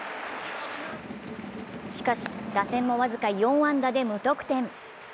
しかし打線も僅か４安打で無得点。